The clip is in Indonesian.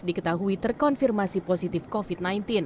diketahui terkonfirmasi positif covid sembilan belas